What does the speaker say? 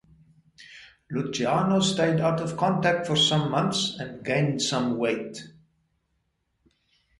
Luciano stayed out of contact for some months and gained some weight.